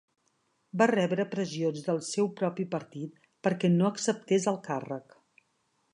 Va rebre pressions del seu propi partit perquè no acceptés el càrrec.